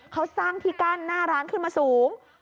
เขาสร้างที่กั้นหน้าร้านขึ้นมาสูง